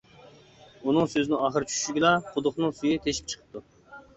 ئۇنىڭ سۆزىنىڭ ئاخىرى چۈشۈشىگىلا، قۇدۇقنىڭ سۈيى تېشىپ چىقىپتۇ.